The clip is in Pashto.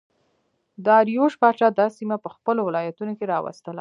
داریوش پاچا دا سیمه په خپلو ولایتونو کې راوستله